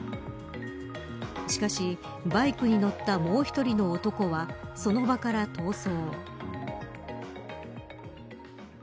しかし、バイクに乗ったもう１人の男はその場から逃走。